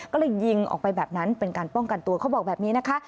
ก็เลยยิงออกไปแบบนั้นเป็นการป้องกันตัวเขาบอกแบบนี้นะคะ